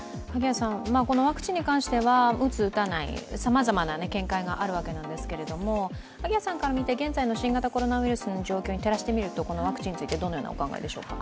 ワクチンに関しては打つ、打たないさまざまな見解があるわけですけれども萩谷さんから見て、現在の新型コロナウイルスの状況に照らしてみると、ワクチンについてどのようにお考えでしょうか？